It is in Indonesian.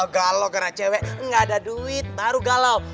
galau gerak cewek gak ada duit baru galau